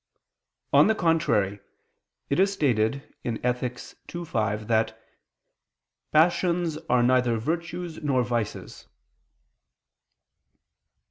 On the contrary, It is stated in Ethic. ii, 5 that "passions are neither virtues nor vices."